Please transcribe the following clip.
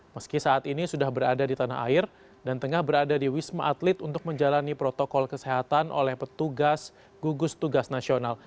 meski saat ini sudah berada di tanah air dan tengah berada di wisma atlet untuk menjalani protokol kesehatan oleh petugas gugus tugas nasional